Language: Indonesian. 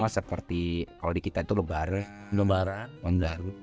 seperti kalau di kita itu lebaran